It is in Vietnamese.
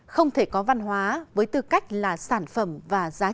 không thể có văn hóa với tư cách là sản phẩm và giá trị